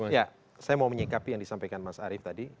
ya saya mau menyikapi yang disampaikan mas arief tadi